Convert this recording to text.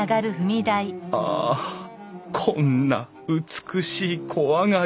あこんな美しい小上がり。